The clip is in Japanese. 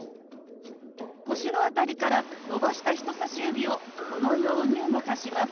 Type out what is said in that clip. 腰の辺りから伸ばした人さし指をこのように動かします。